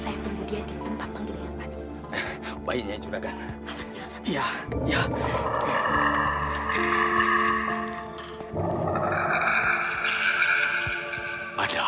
ovatnya untuk gue untuk nikah permainan hari ini mavinkan rakup ini atau orang lainnya pergilah ke rumah dia ini